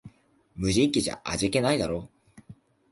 無人機じゃ味気ないだろ